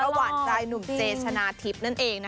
หวานใจหนุ่มเจชนะทิพย์นั่นเอง